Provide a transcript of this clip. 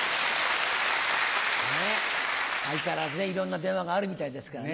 相変わらずねいろんな電話があるみたいですからね。